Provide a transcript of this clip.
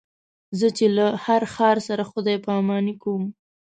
زه چې له هر ښار سره خدای پاماني کوم.